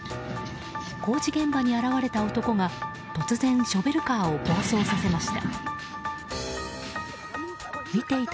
工事現場に現れた男が突然、ショベルカーを暴走させました。